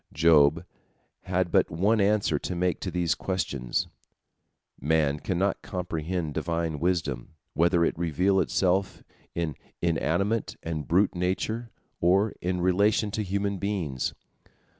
Job had but one answer to make to these questions: man cannot comprehend Divine wisdom, whether it reveal itself in inanimate and brute nature or in relation to human beings.